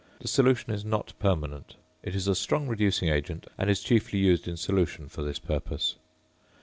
The solution is not permanent. It is a strong reducing agent, and is chiefly used in solution for this purpose.